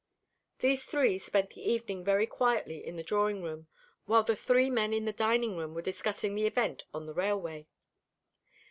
These three spent the evening very quietly in the drawing room, while the three men in the dining room were discussing the event on the railway.